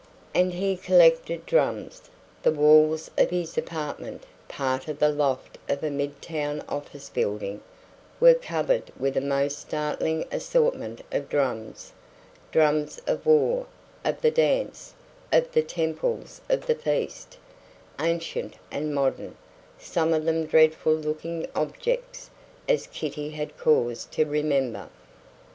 And he collected drums. The walls of his apartment part of the loft of a midtown office building were covered with a most startling assortment of drums: drums of war, of the dance, of the temples of the feast, ancient and modern, some of them dreadful looking objects, as Kitty had cause to remember.